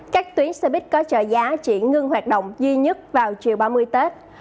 các tuyến xe buýt có trợ giá chỉ ngưng hoạt động duy nhất vào chiều ba mươi tết